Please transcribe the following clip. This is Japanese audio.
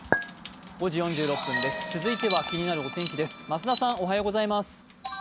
続いては気になるお天気です。